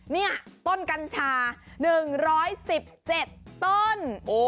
นี่ต้นกัญชา๑๑๗ต้น